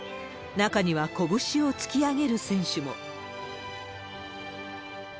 中にはこぶしを突き上げる選手も。